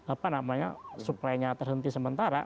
apa namanya suplainya terhenti sementara